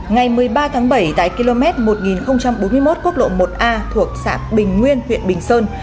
ngày một mươi ba tháng bảy tại km một nghìn bốn mươi một quốc lộ một a thuộc xã bình nguyên huyện bình sơn